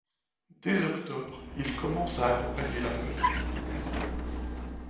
Dès octobre, ils commencent à accompagner la meute dans ses déplacements.